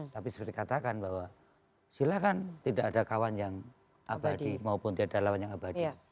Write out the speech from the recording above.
tapi seperti katakan bahwa silakan tidak ada kawan yang abadi maupun tidak ada lawan yang abadi